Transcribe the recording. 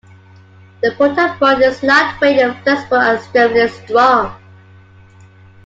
The Porta-Bote is lightweight, flexible and extremely strong.